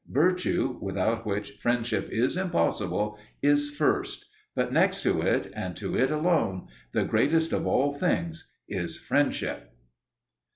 Virtue (without which friendship is impossible) is first; but next to it, and to it alone, the greatest of all things is Friendship.